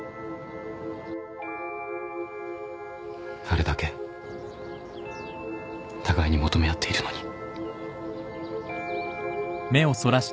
あれだけ互いに求め合っているのに。